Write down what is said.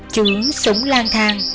chứ sống lang thang